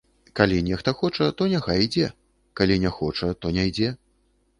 Калі нехта хоча, то няхай ідзе, калі не хоча, то не ідзе.